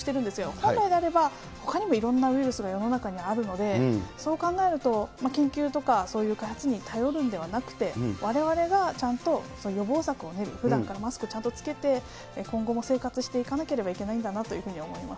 本来であれば、ほかにもいろんなウイルスが世の中にはあるので、そう考えると、研究とかそういう開発に頼るんではなくて、われわれがちゃんと予防策を練る、ふだんからマスクちゃんと着けて、今後も生活していかなければいけないんだなと思います。